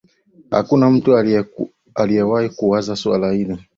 hakuna mtu aliyewahi kuwaza suala hilo